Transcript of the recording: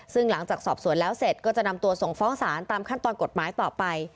ซึ่งหลังจากสอบสวนแล้วเสร็จก็จะนำตัวส่งฟ้องศาลตามขั้นตอนกฎหมายต่อไป